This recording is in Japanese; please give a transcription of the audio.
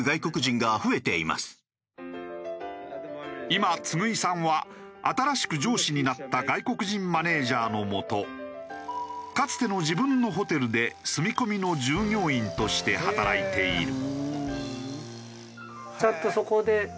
今次井さんは新しく上司になった外国人マネージャーの下かつての自分のホテルで住み込みの従業員として働いている。